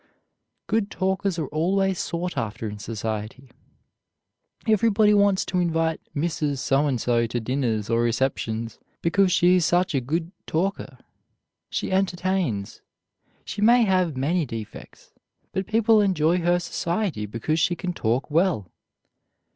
Good talkers are always sought after in society. Everybody wants to invite Mrs. So and So to dinners or receptions because she is such a good talker. She entertains. She may have many defects, but people enjoy her society because she can talk well.